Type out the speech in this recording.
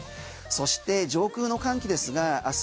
そして上空の寒気ですが明日